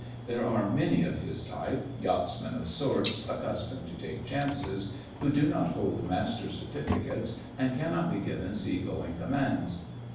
There are many of his type, yachtsmen of sorts accustomed to take chances, who do not hold master's certificates and cannot be given sea going commands.